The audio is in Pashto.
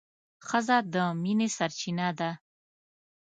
ښځه د مينې سرچينه ده